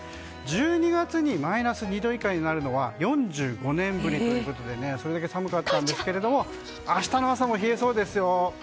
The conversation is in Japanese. １２月にマイナス２度以下になるのは４５年ぶりということでそれだけ寒かったんですが明日の朝も冷えそうですよ。